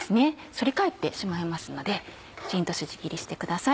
反り返ってしまいますのできちんとスジ切りしてください。